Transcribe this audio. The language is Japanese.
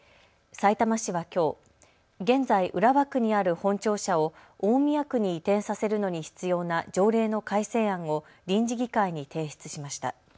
さいたま市はきょう、現在、浦和区にある本庁舎を大宮区に移転させるのに必要な条例の改正案を臨時議会に提出しました。